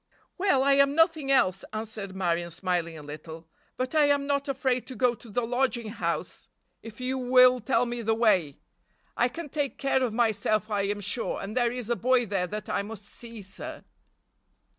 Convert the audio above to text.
"Well, I am nothing else," answered Marion, smiling a little. "But I am not afraid to go to the lodging house if you will tell me the way. I can take care of myself, I am sure, and there is a boy there that I must see, sir."